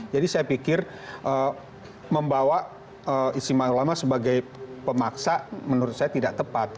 jadi saya pikir membawa istimewa ulama sebagai pemaksa menurut saya tidak tepat